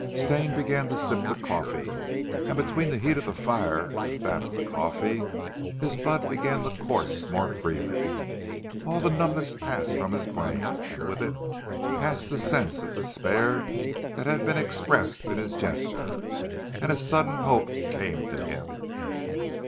Stane began to sip the coffee, and between the heat of the fire and that of the coffee, his blood began to course more freely. All the numbness passed from his brain and with it passed the sense of despair that had been expressed in his gesture, and a sudden hope came to him.